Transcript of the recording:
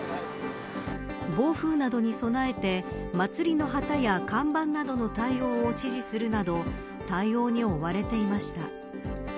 暴風などに備えて祭りの旗や看板などの対応を指示するなど対応に追われていました。